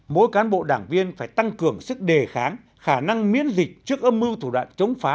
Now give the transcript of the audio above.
mỗi cán bộ đảng viên phải tăng cường sức đề kháng khả năng miễn dịch trước âm mưu thủ đoạn chống phá